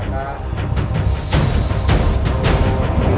mas rasha tunggu